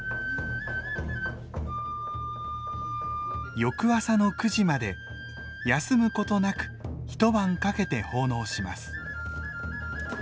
翌朝の９時まで休むことなく一晩かけて奉納します。